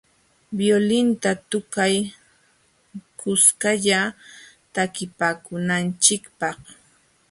Violinta tukay kuskalla takipaakunanchikpaq.